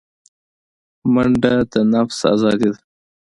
منډه د نفس آزادي ده